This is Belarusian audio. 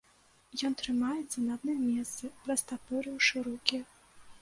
Ён трымаецца на адным месцы, растапырыўшы рукі.